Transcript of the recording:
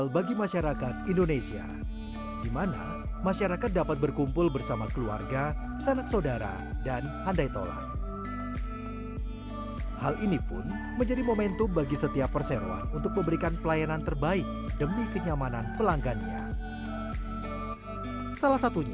bagaimana cara membuatnya lebih mudah